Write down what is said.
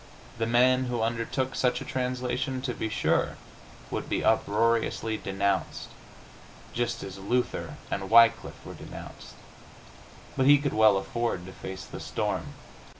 The man who undertook such a translation, to be sure, would be uproariously denounced, just as Luther and Wycliffe were denounced, but he could well afford to face the storm.